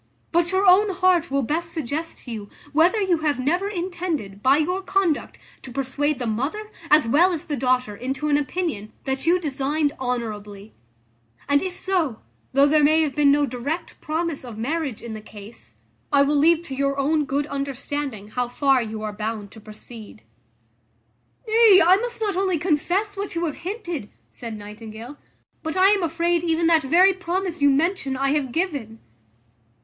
But your own heart will best suggest to you, whether you have never intended, by your conduct, to persuade the mother, as well as the daughter, into an opinion, that you designed honourably: and if so, though there may have been no direct promise of marriage in the case, I will leave to your own good understanding, how far you are bound to proceed." "Nay, I must not only confess what you have hinted," said Nightingale; "but I am afraid even that very promise you mention I have given."